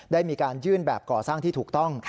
ได้มีการยื่นแบบก่อสร้างที่ถูกต้อง